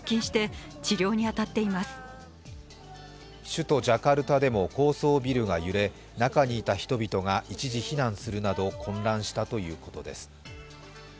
首都ジャカルタでも高層ビルが揺れ中にいた人々が一時避難するなど混乱したということです。